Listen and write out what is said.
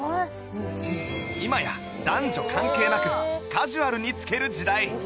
今や男女関係なくカジュアルに着ける時代